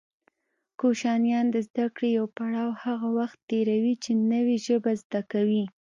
کوشنیان د زده کړې يو پړاو هغه وخت تېروي چې نوې ژبه زده کوي